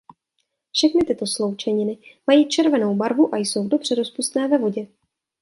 Všechny tyto sloučeniny mají červenou barvu a jsou dobře rozpustné ve vodě.